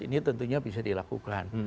ini tentunya bisa dilakukan